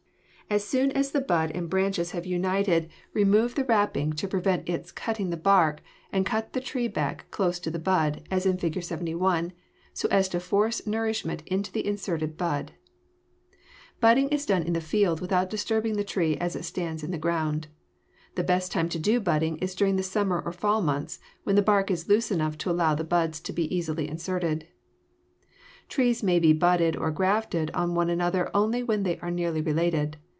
As soon as the bud and branches have united, remove the wrapping to prevent its cutting the bark and cut the tree back close to the bud, as in Fig. 71, so as to force nourishment into the inserted bud. [Illustration: FIG. 71. Sloping line shows where to cut tree] Budding is done in the field without disturbing the tree as it stands in the ground. The best time to do budding is during the summer or fall months, when the bark is loose enough to allow the buds to be easily inserted. Trees may be budded or grafted on one another only when they are nearly related.